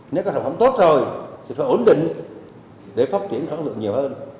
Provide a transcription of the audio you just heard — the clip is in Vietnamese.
nếu các sản phẩm tốt rồi thì phải ổn định để phát triển sản lượng nhiều hơn